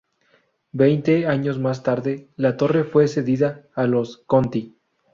Veinte años más tarde, la torre fue cedida a los Conti.